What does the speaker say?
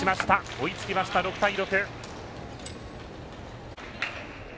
追いつきました、６対６！